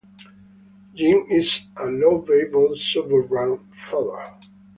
Jim is a lovable suburban father.